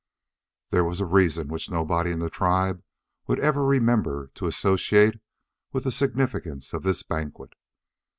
There was a reason which nobody in the tribe would ever remember to associate with the significance of this banquet.